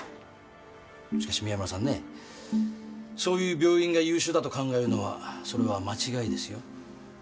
しかし宮村さんそういう病院が優秀だと考えるのは間違いですよ